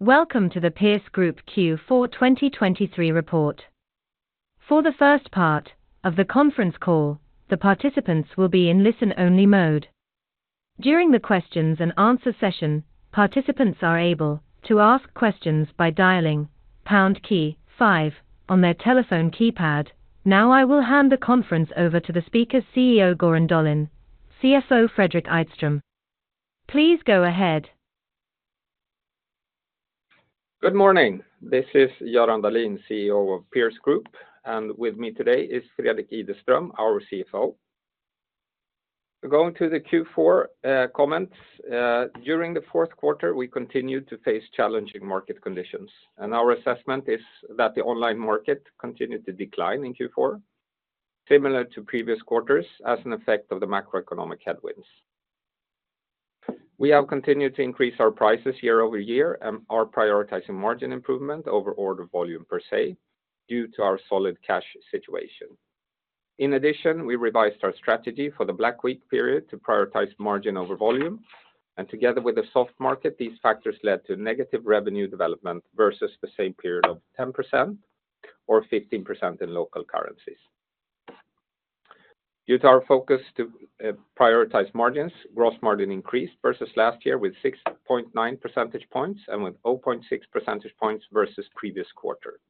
Welcome to the Pierce Group Q4 2023 report. For the first part of the conference call, the participants will be in listen-only mode. During the questions and answer session, participants are able to ask questions by dialing pound key five on their telephone keypad. Now, I will hand the conference over to the speaker, CEO Göran Dahlin, CFO Fredrik Ideström. Please go ahead. Good morning. This is Göran Dahlin, CEO of Pierce Group, and with me today is Fredrik Ideström, our CFO. Going to the Q4 comments, during the fourth quarter, we continued to face challenging market conditions, and our assessment is that the online market continued to decline in Q4, similar to previous quarters, as an effect of the macroeconomic headwinds. We have continued to increase our prices year-over-year and are prioritizing margin improvement over order volume per se, due to our solid cash situation. In addition, we revised our strategy for the Black Week period to prioritize margin over volume, and together with the soft market, these factors led to negative revenue development versus the same period of 10% or 15% in local currencies. Due to our focus to prioritize margins, gross margin increased versus last year with 6.9 percentage points and with 0.6 percentage points versus previous quarter,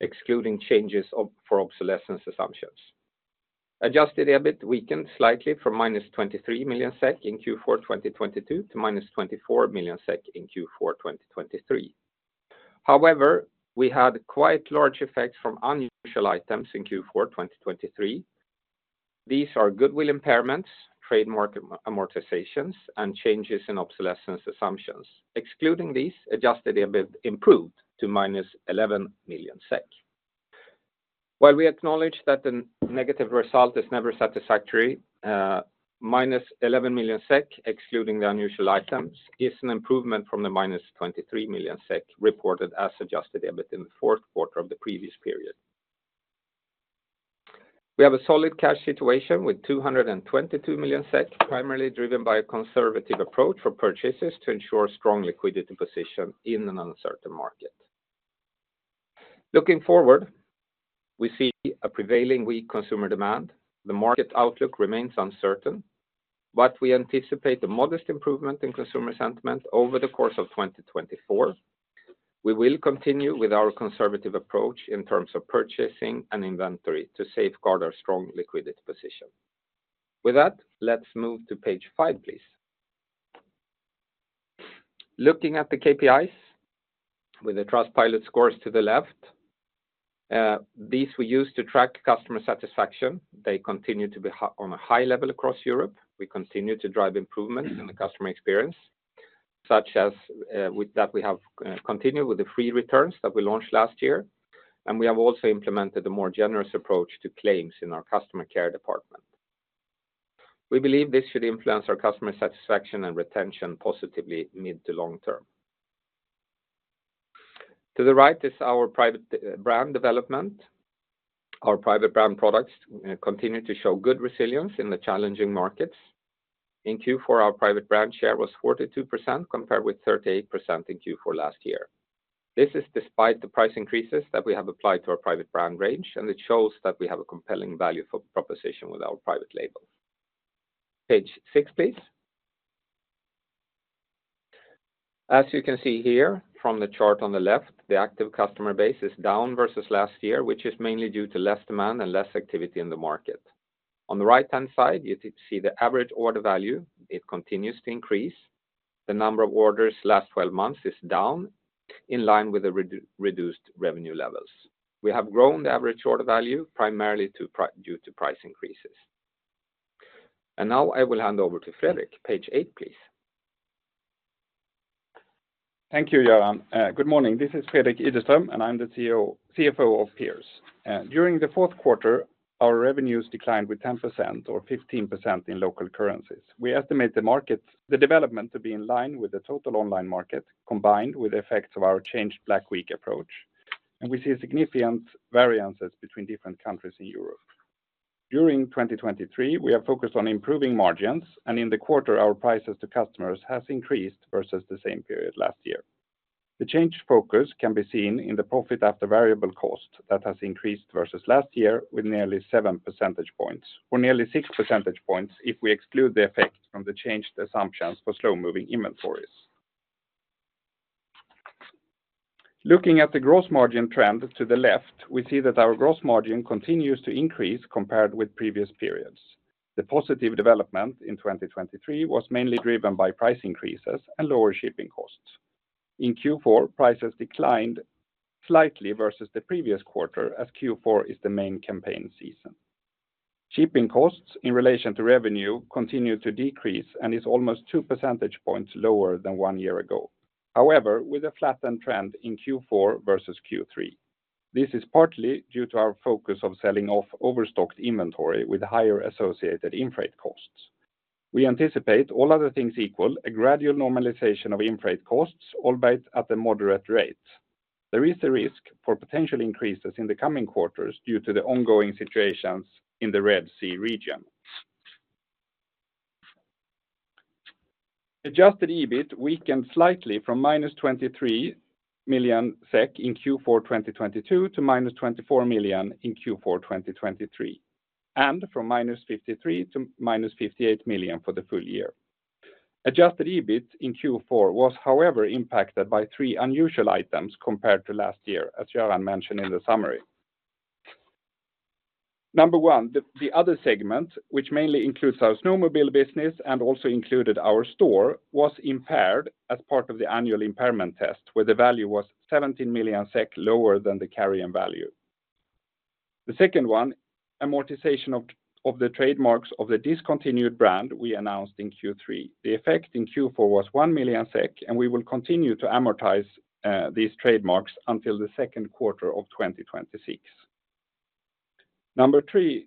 excluding changes of for obsolescence assumptions. Adjusted EBIT weakened slightly from -23 million SEK in Q4 2022 to -24 million SEK in Q4 2023. However, we had quite large effects from unusual items in Q4 2023. These are goodwill impairments, trademark amortizations, and changes in obsolescence assumptions. Excluding these, adjusted EBIT improved to -11 million SEK. While we acknowledge that the negative result is never satisfactory, -11 million SEK, excluding the unusual items, is an improvement from the -23 million SEK reported as adjusted EBIT in the fourth quarter of the previous period. We have a solid cash situation with 222 million SEK, primarily driven by a conservative approach for purchases to ensure strong liquidity position in an uncertain market. Looking forward, we see a prevailing weak consumer demand. The market outlook remains uncertain, but we anticipate a modest improvement in consumer sentiment over the course of 2024. We will continue with our conservative approach in terms of purchasing and inventory to safeguard our strong liquidity position. With that, let's move to page 5, please. Looking at the KPIs with the Trustpilot scores to the left, these we use to track customer satisfaction. They continue to be on a high level across Europe. We continue to drive improvement in the customer experience, such as, with that, we have continued with the free returns that we launched last year, and we have also implemented a more generous approach to claims in our customer care department. We believe this should influence our customer satisfaction and retention positively mid to long term. To the right is our private brand development. Our private brand products continue to show good resilience in the challenging markets. In Q4, our private brand share was 42%, compared with 38% in Q4 last year. This is despite the price increases that we have applied to our private brand range, and it shows that we have a compelling value for proposition with our private label. Page six, please. As you can see here from the chart on the left, the active customer base is down versus last year, which is mainly due to less demand and less activity in the market. On the right-hand side, you see the average order value. It continues to increase. The number of orders last twelve months is down in line with the reduced revenue levels. We have grown the average order value primarily due to price increases. Now I will hand over to Fredrik. Page eight, please. Thank you, Göran. Good morning. This is Fredrik Ideström, and I'm the CFO of Pierce Group. During the fourth quarter, our revenues declined with 10% or 15% in local currencies. We estimate the market, the development to be in line with the total online market, combined with the effects of our changed Black Week approach, and we see significant variances between different countries in Europe. During 2023, we are focused on improving margins, and in the quarter, our prices to customers has increased versus the same period last year. The changed focus can be seen in the profit after variable cost that has increased versus last year with nearly seven percentage points or nearly six percentage points if we exclude the effect from the changed assumptions for slow-moving inventories. Looking at the gross margin trend to the left, we see that our gross margin continues to increase compared with previous periods. The positive development in 2023 was mainly driven by price increases and lower shipping costs. In Q4, prices declined slightly versus the previous quarter, as Q4 is the main campaign season. Shipping costs in relation to revenue continued to decrease and is almost 2 percentage points lower than 1 year ago. However, with a flattened trend in Q4 versus Q3, this is partly due to our focus of selling off overstocked inventory with higher associated freight costs. We anticipate, all other things equal, a gradual normalization of freight costs, albeit at a moderate rate. There is a risk for potential increases in the coming quarters due to the ongoing situations in the Red Sea region. Adjusted EBIT weakened slightly from -23 million SEK in Q4 2022 to -24 million SEK in Q4 2023, and from -53 to -58 million SEK for the full year. Adjusted EBIT in Q4 was however impacted by three unusual items compared to last year, as Göran mentioned in the summary. Number one, the other segment, which mainly includes our snowmobile business and also included our store, was impaired as part of the annual impairment test, where the value was 17 million SEK lower than the carrying value. The second one, amortization of the trademarks of the discontinued brand we announced in Q3. The effect in Q4 was 1 million SEK, and we will continue to amortize these trademarks until the second quarter of 2026. Number three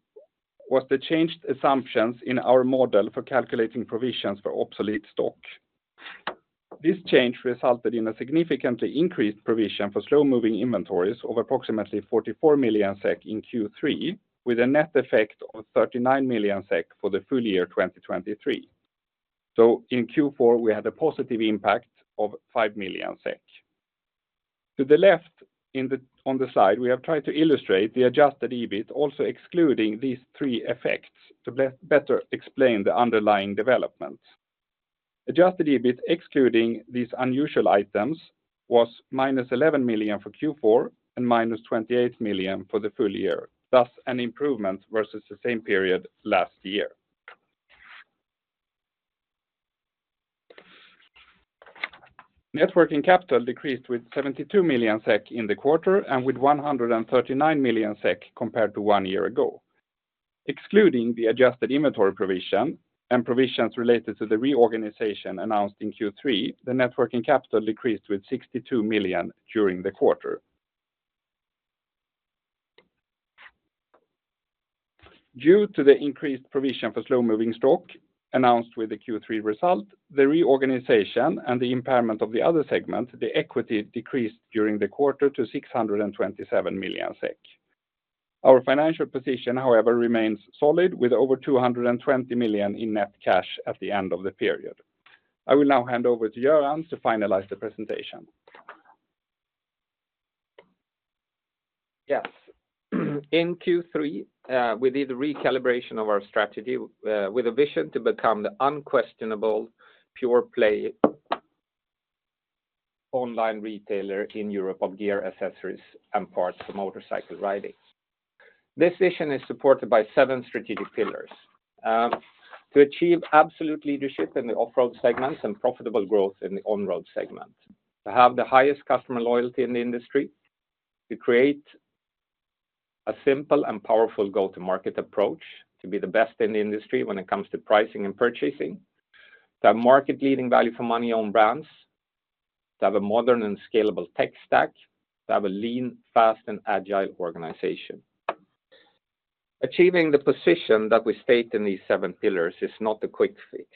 was the changed assumptions in our model for calculating provisions for obsolete stock. This change resulted in a significantly increased provision for slow-moving inventories of approximately 44 million SEK in Q3, with a net effect of 39 million SEK for the full year 2023. So in Q4, we had a positive impact of 5 million SEK. To the left, on the side, we have tried to illustrate the Adjusted EBIT, also excluding these three effects, to better explain the underlying development. Adjusted EBIT, excluding these unusual items, was -11 million for Q4 and -28 million for the full year, thus an improvement versus the same period last year. Net working capital decreased with 72 million SEK in the quarter and with 139 million SEK compared to one year ago. Excluding the adjusted inventory provision and provisions related to the reorganization announced in Q3, the net working capital decreased with 62 million during the quarter. Due to the increased provision for slow-moving stock announced with the Q3 result, the reorganization and the impairment of the other segment, the equity decreased during the quarter to 627 million SEK. Our financial position, however, remains solid, with over 220 million in net cash at the end of the period. I will now hand over to Göran to finalize the presentation. Yes. In Q3, we did a recalibration of our strategy, with a vision to become the unquestionable pure play online retailer in Europe of gear, accessories, and parts for motorcycle riding. This vision is supported by seven strategic pillars. To achieve absolute leadership in the off-road segments and profitable growth in the on-road segment, to have the highest customer loyalty in the industry, to create a simple and powerful go-to-market approach, to be the best in the industry when it comes to pricing and purchasing, to have market-leading value for money on brands, to have a modern and scalable tech stack, to have a lean, fast, and agile organization. Achieving the position that we state in these seven pillars is not a quick fix.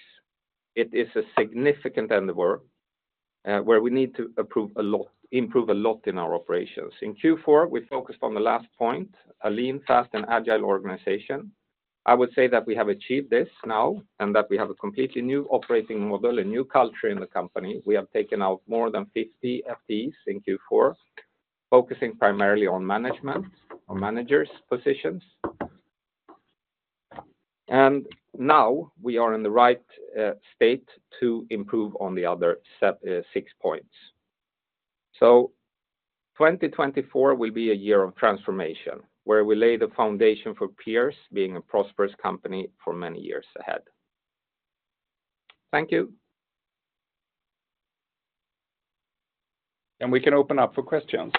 It is a significant endeavor, where we need to improve a lot in our operations. In Q4, we focused on the last point, a lean, fast, and agile organization. I would say that we have achieved this now, and that we have a completely new operating model and new culture in the company. We have taken out more than 50 FTEs in Q4, focusing primarily on management, on managers' positions. And now we are in the right state to improve on the other six points. So 2024 will be a year of transformation, where we lay the foundation for Pierce being a prosperous company for many years ahead. Thank you. We can open up for questions.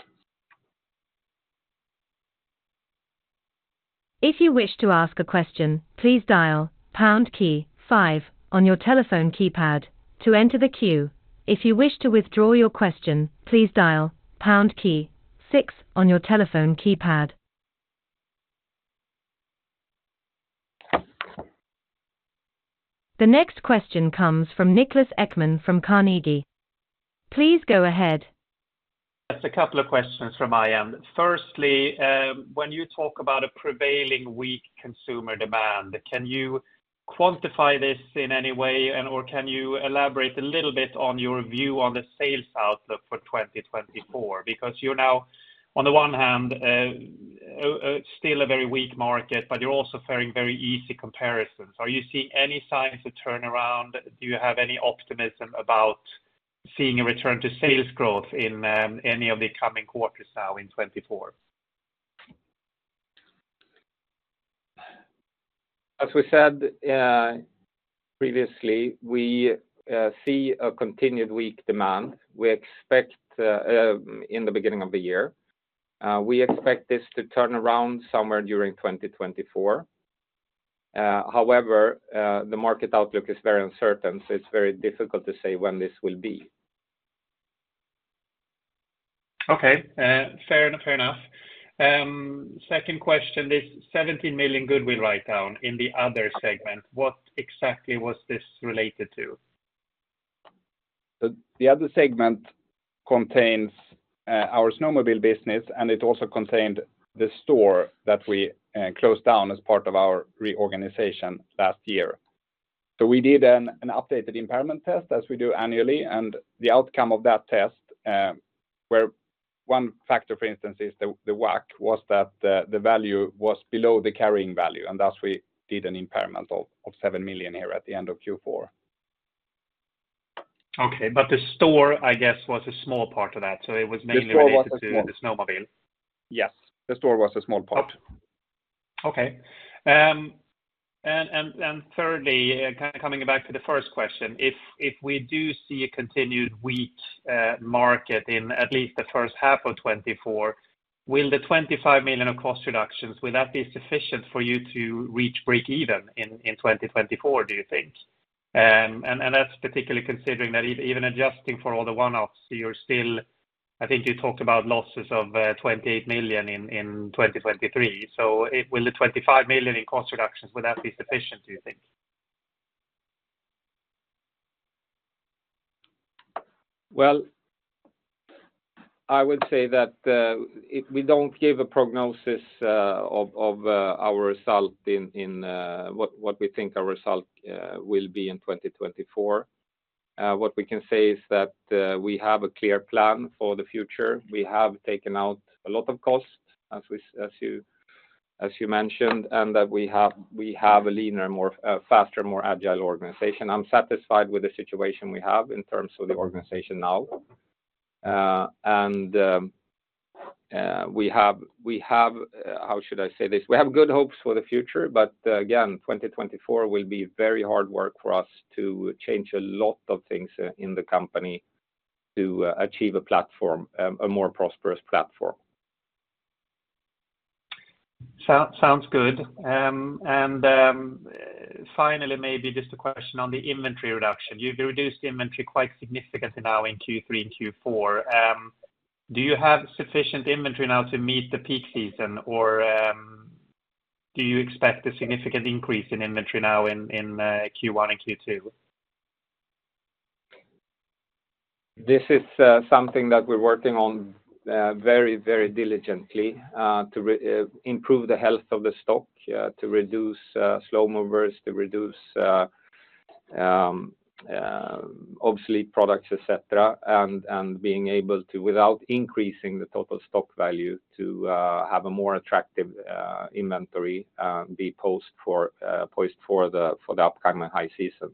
If you wish to ask a question, please dial pound key five on your telephone keypad to enter the queue. If you wish to withdraw your question, please dial pound key six on your telephone keypad. The next question comes from Niklas Ekman from Carnegie. Please go ahead. Just a couple of questions from my end. Firstly, when you talk about a prevailing weak consumer demand, can you quantify this in any way, and/or can you elaborate a little bit on your view on the sales outlook for 2024? Because you're now, on the one hand, still a very weak market, but you're also carrying very easy comparisons. Are you seeing any signs of turnaround? Do you have any optimism about seeing a return to sales growth in, any of the coming quarters now in 2024? As we said, previously, we see a continued weak demand. We expect, in the beginning of the year, we expect this to turn around somewhere during 2024. However, the market outlook is very uncertain, so it's very difficult to say when this will be. Okay, fair enough. Second question, this 17 million goodwill write-down in the other segment, what exactly was this related to?... The other segment contains our snowmobile business, and it also contained the store that we closed down as part of our reorganization last year. So we did an updated impairment test as we do annually, and the outcome of that test, where one factor, for instance, is the WACC, was that the value was below the carrying value, and thus we did an impairment of 7 million here at the end of Q4. Okay, but the store, I guess, was a small part of that, so it was mainly- The store was small. related to the snowmobile? Yes. The store was a small part. Okay. And, and, and thirdly, kind of coming back to the first question, if, if we do see a continued weak market in at least the first half of 2024, will the 25 million of cost reductions, will that be sufficient for you to reach break even in 2024, do you think? And, and that's particularly considering that even, even adjusting for all the one-offs, you're still... I think you talked about losses of 28 million in 2023. So it- will the 25 million in cost reductions, will that be sufficient, do you think? Well, I would say that we don't give a prognosis of what we think our result will be in 2024. What we can say is that we have a clear plan for the future. We have taken out a lot of costs, as you mentioned, and that we have a leaner, more faster, more agile organization. I'm satisfied with the situation we have in terms of the organization now. We have how should I say this? We have good hopes for the future, but again, 2024 will be very hard work for us to change a lot of things in the company to achieve a platform, a more prosperous platform. Sounds good. Finally, maybe just a question on the inventory reduction. You've reduced inventory quite significantly now in Q3 and Q4. Do you have sufficient inventory now to meet the peak season? Or, do you expect a significant increase in inventory now in Q1 and Q2? This is something that we're working on very, very diligently to improve the health of the stock, to reduce slow movers, to reduce obsolete products, et cetera, and being able to without increasing the total stock value to have a more attractive inventory, be poised for the upcoming high season.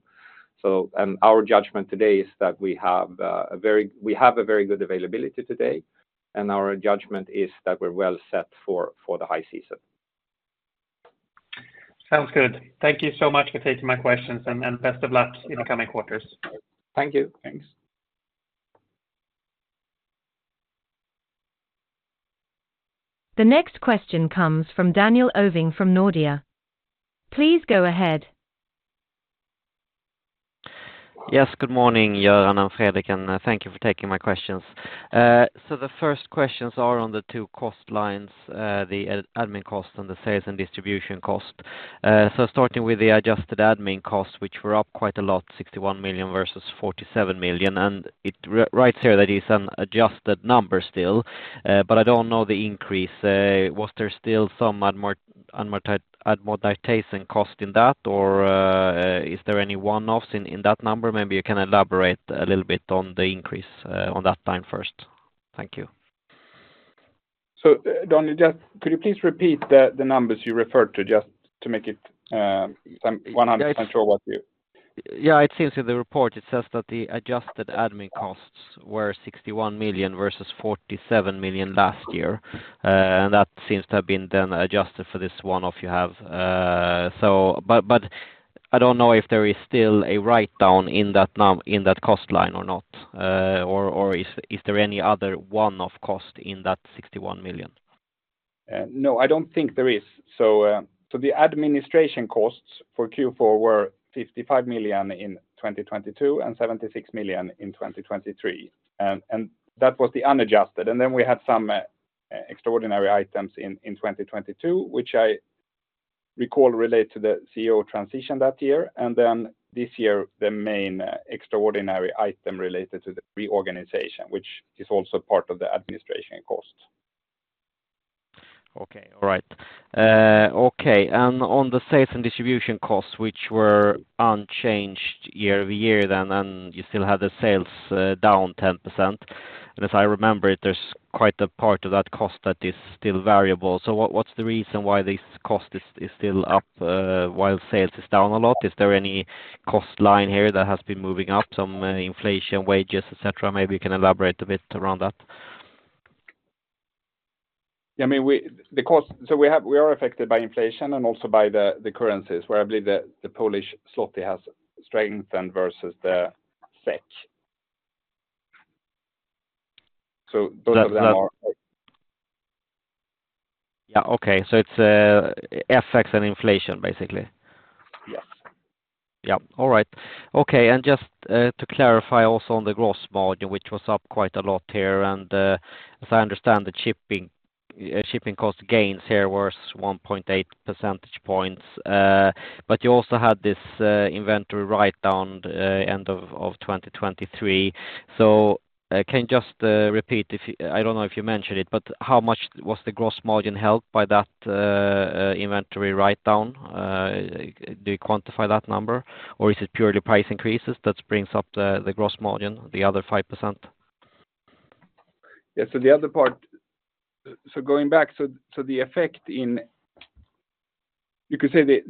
Our judgment today is that we have a very—we have a very good availability today, and our judgment is that we're well set for the high season. Sounds good. Thank you so much for taking my questions, and best of luck in the coming quarters. Thank you. Thanks. The next question comes from Daniel Ovin from Nordea. Please go ahead. Yes, good morning, Göran and Fredrik, and thank you for taking my questions. So the first questions are on the two cost lines, the admin cost and the sales and distribution cost. So starting with the adjusted admin costs, which were up quite a lot, 61 million versus 47 million, and right here, that is an adjusted number still, but I don't know the increase. Was there still some amortization cost in that, or is there any one-offs in that number? Maybe you can elaborate a little bit on the increase on that line first. Thank you. So, Daniel, just could you please repeat the numbers you referred to, just to make it some 100% sure what you- Yeah, it seems in the report, it says that the adjusted admin costs were 61 million versus 47 million last year. And that seems to have been then adjusted for this one-off you have. But I don't know if there is still a write-down in that in that cost line or not. Or is there any other one-off cost in that 61 million? No, I don't think there is. So, the administration costs for Q4 were 55 million in 2022 and 76 million in 2023. And that was the unadjusted. And then we had some extraordinary items in 2022, which I recall relate to the CEO transition that year. And then this year, the main extraordinary item related to the reorganization, which is also part of the administration cost. Okay. All right. Okay, and on the sales and distribution costs, which were unchanged year-over-year then, and you still have the sales down 10%. And as I remember it, there's quite a part of that cost that is still variable. So what's the reason why this cost is still up while sales is down a lot? Is there any cost line here that has been moving up, some inflation, wages, et cetera? Maybe you can elaborate a bit around that. I mean, so we are affected by inflation and also by the, the currencies, where I believe the, the Polish zloty has strengthened versus the SEK. So both of them are- Yeah, okay. So it's, FX and inflation, basically? Yes. Yeah. All right. Okay, and just to clarify also on the gross margin, which was up quite a lot here, and as I understand, the shipping cost gains here worth 1.8 percentage points. But you also had this inventory write down end of 2023. So can you just repeat if you—I don't know if you mentioned it, but how much was the gross margin held by that inventory write down? Do you quantify that number, or is it purely price increases that brings up the gross margin, the other 5%? Yeah, so the other part. So going back, the effect, you could say,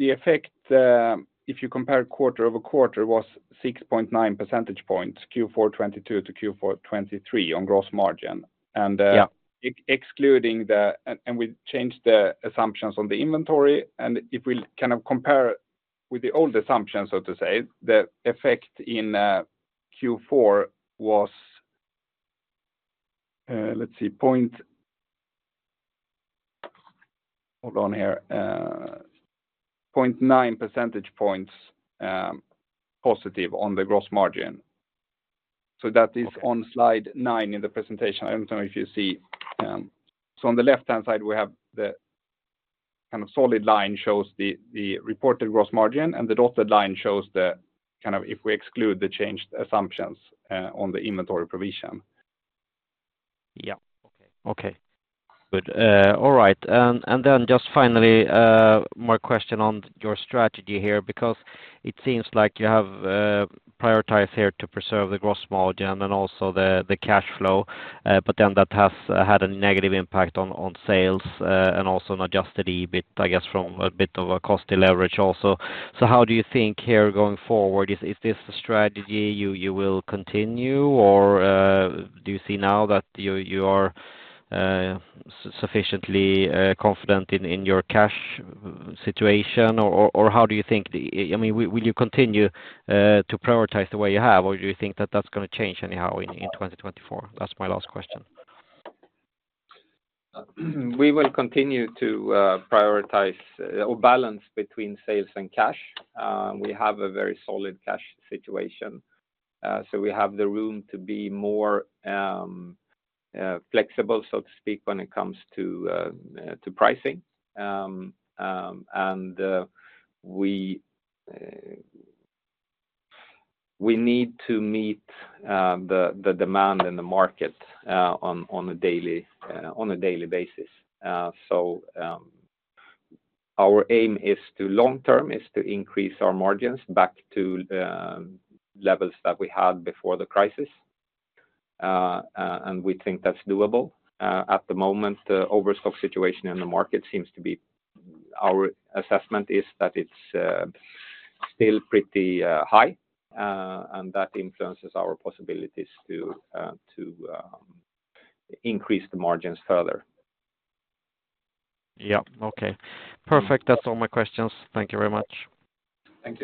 if you compare quarter-over-quarter, was 6.9 percentage points, Q4 2022 to Q4 2023 on gross margin. And Yeah... Excluding the and, and we changed the assumptions on the inventory, and if we kind of compare with the old assumptions, so to say, the effect in Q4 was, let's see, point 0.9 percentage points, positive on the gross margin. So that is- Okay on slide 9 in the presentation. I don't know if you see. So on the left-hand side, we have the, kind of, solid line shows the reported gross margin, and the dotted line shows the, kind of, if we exclude the changed assumptions on the inventory provision. Yeah. Okay. Okay, good. All right, and then just finally, my question on your strategy here, because it seems like you have prioritized here to preserve the gross margin and then also the cash flow. But then that has had a negative impact on sales, and also an Adjusted EBIT, I guess, from a bit of a costly leverage also. So how do you think here going forward, is this a strategy you will continue, or do you see now that you are sufficiently confident in your cash situation? Or how do you think... I mean, will you continue to prioritize the way you have, or do you think that that's gonna change anyhow in 2024? That's my last question. We will continue to prioritize or balance between sales and cash. We have a very solid cash situation, so we have the room to be more flexible, so to speak, when it comes to pricing. And we need to meet the demand in the market on a daily basis. So our aim is, long term, to increase our margins back to levels that we had before the crisis. And we think that's doable. At the moment, the overstock situation in the market seems to be... Our assessment is that it's still pretty high, and that influences our possibilities to increase the margins further. Yeah. Okay. Perfect. That's all my questions. Thank you very much. Thank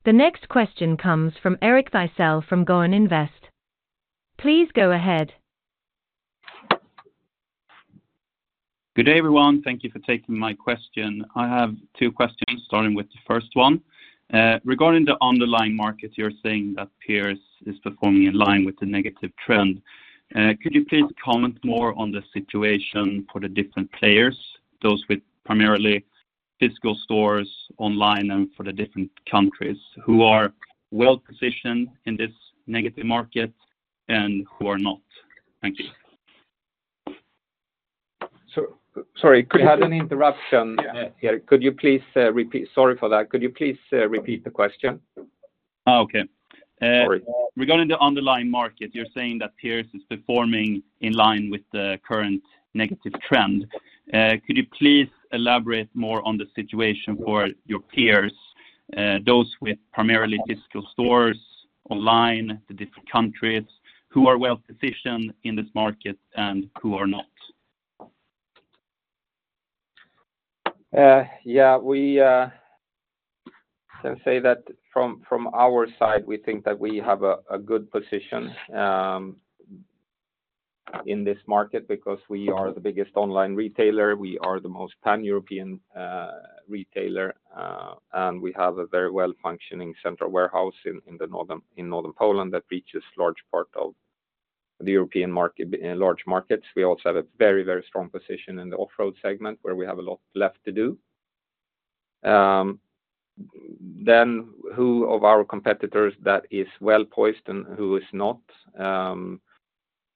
you. Thank you. The next question comes from Eric Thysell from Garn Invest. Please go ahead. Good day, everyone. Thank you for taking my question. I have two questions, starting with the first one. Regarding the underlying markets, you're saying that Pierce is performing in line with the negative trend. Could you please comment more on the situation for the different players, those with primarily physical stores, online, and for the different countries? Who are well-positioned in this negative market and who are not? Thank you. Sorry, could you have any interruption? Yeah. Could you please repeat? Sorry for that. Could you please repeat the question? Oh, okay. Sorry. Regarding the underlying market, you're saying that Pierce Group is performing in line with the current negative trend. Could you please elaborate more on the situation for your peers, those with primarily physical stores, online, the different countries, who are well-positioned in this market and who are not? Yeah, we can say that from our side, we think that we have a good position in this market because we are the biggest online retailer, we are the most Pan-European retailer, and we have a very well-functioning central warehouse in Northern Poland that reaches large part of the European market, in large markets. We also have a very, very strong position in the off-road segment, where we have a lot left to do. Then, who of our competitors that is well-poised and who is not,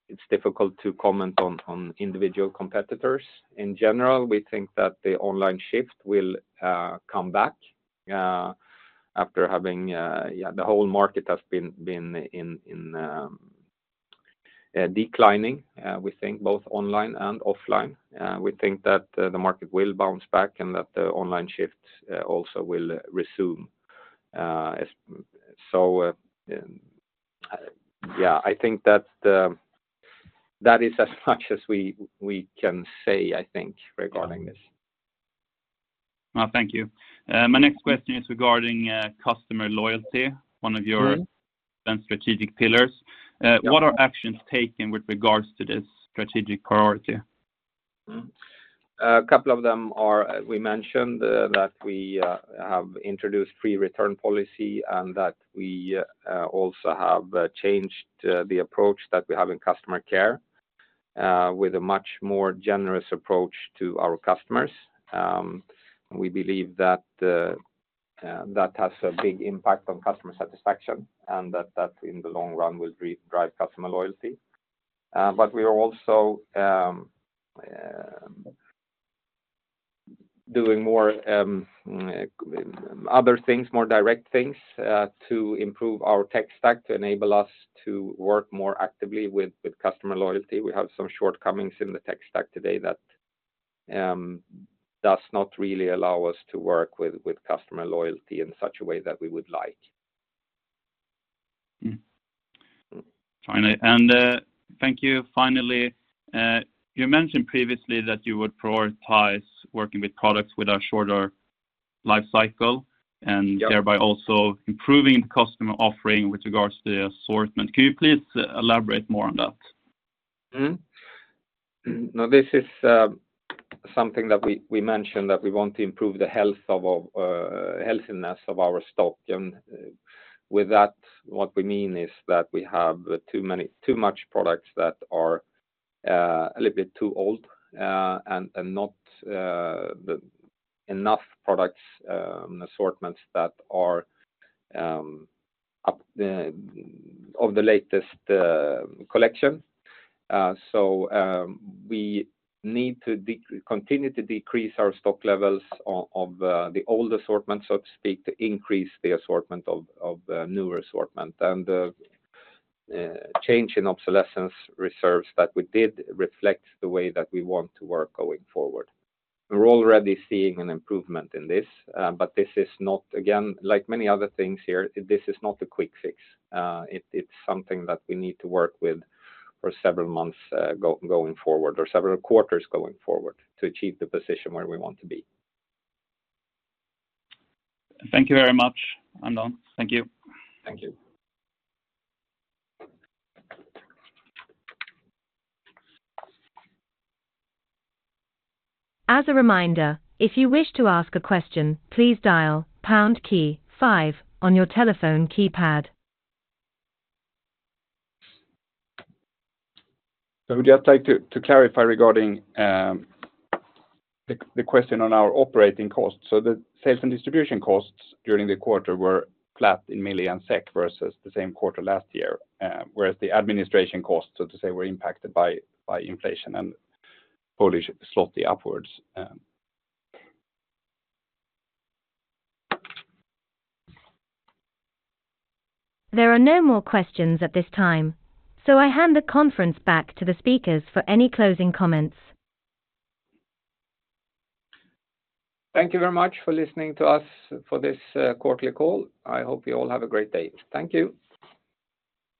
it's difficult to comment on individual competitors. In general, we think that the online shift will come back after having... Yeah, the whole market has been declining, we think both online and offline. We think that the market will bounce back and that the online shift also will resume. So, yeah, I think that is as much as we can say, I think, regarding this. Well, thank you. My next question is regarding customer loyalty, one of your- Mm-hmm - strategic pillars. Yeah. What are actions taken with regards to this strategic priority?... Mm-hmm. A couple of them are, we mentioned, that we have introduced free return policy and that we also have changed the approach that we have in customer care with a much more generous approach to our customers. We believe that, that has a big impact on customer satisfaction, and that, that in the long run will re-drive customer loyalty. But we are also doing more other things, more direct things to improve our tech stack, to enable us to work more actively with, with customer loyalty. We have some shortcomings in the tech stack today that does not really allow us to work with, with customer loyalty in such a way that we would like. Mm-hmm. Fine. And, thank you. Finally, you mentioned previously that you would prioritize working with products with a shorter life cycle- Yep. and thereby also improving customer offering with regards to the assortment. Can you please elaborate more on that? Mm-hmm. Now, this is something that we, we mentioned, that we want to improve the health of our healthiness of our stock. And with that, what we mean is that we have too much products that are a little bit too old, and, and not the enough products and assortments that are up of the latest collection. So, we need to continue to decrease our stock levels of the old assortment, so to speak, to increase the assortment of new assortment. And the change in obsolescence reserves that we did reflect the way that we want to work going forward. We're already seeing an improvement in this, but this is not, again, like many other things here, this is not a quick fix. It's something that we need to work with for several months, going forward, or several quarters going forward, to achieve the position where we want to be. Thank you very much, Anton. Thank you. Thank you. As a reminder, if you wish to ask a question, please dial pound key five on your telephone keypad. So I would just like to clarify regarding the question on our operating costs. So the sales and distribution costs during the quarter were flat in million SEK versus the same quarter last year. Whereas the administration costs, so to say, were impacted by inflation and Polish zloty upwards. There are no more questions at this time, so I hand the conference back to the speakers for any closing comments. Thank you very much for listening to us for this quarterly call. I hope you all have a great day. Thank you.